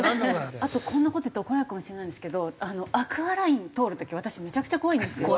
あとこんな事言うと怒られるかもしれないんですけどアクアライン通る時私めちゃくちゃ怖いんですよ。